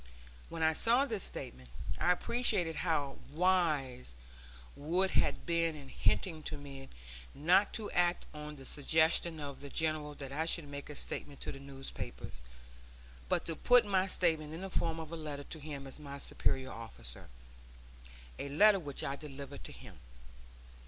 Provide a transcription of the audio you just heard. When I saw this statement, I appreciated how wise Wood had been in hinting to me not to act on the suggestion of the General that I should make a statement to the newspapers, but to put my statement in the form of a letter to him as my superior officer, a letter which I delivered to him.